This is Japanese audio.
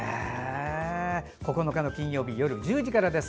９日の金曜日、夜１０時からです。